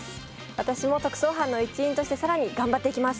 私も特捜班の一員としてさらに頑張っていきます。